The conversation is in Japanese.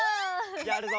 やるぞ！